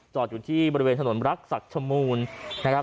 อยู่ที่บริเวณถนนรักษักชมูลนะครับ